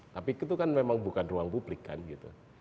tapi itu kan memang bukan ruang publik kan gitu